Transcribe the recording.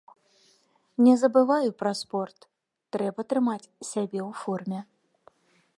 Не забываю пра спорт, трэба трымаць сябе ў форме.